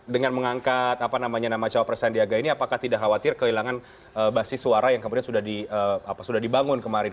dengan mengangkat apa namanya nama cowok presiden diaga ini apakah tidak khawatir kehilangan basis suara yang kemudian sudah dibangun kemarin